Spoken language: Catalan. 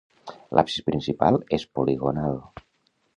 L'absis principal és poligonal.